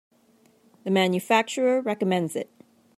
The manufacturer recommends it.